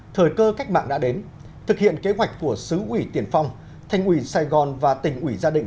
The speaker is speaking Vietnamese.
thời cơ cách mạng đã đến thực hiện kế hoạch của sứ ủy tiền phong thành ủy sài gòn và tỉnh ủy gia định